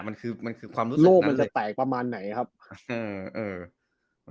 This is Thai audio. มันคือมันคือความรู้โลกมันจะแตกประมาณไหนครับ